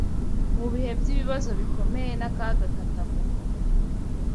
Mu bihe by’ibibazo bikomeye n’akaga katavugwa,